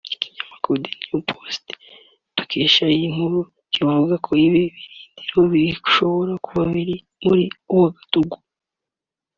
ikinyamakuru The Washington Post dukesha iyi nkuru kivuga ko ibi birindiro bishobora kuba biri muri Ouagadougou